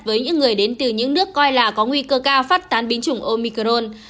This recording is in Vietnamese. với những người đến từ những nước coi là có nguy cơ cao phát tán biến chủng omicron